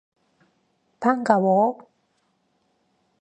반가워!